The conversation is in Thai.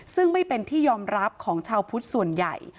ซึ่งไม่เป็นที่ยอมรับของชาวพุทธส่วนใหญ่